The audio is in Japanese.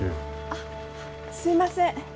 あっすいません。